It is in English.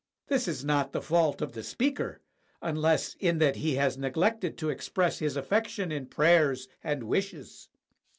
This is not the fault of the speaker, unless in that he has neglected to express his affection in prayers and wishes.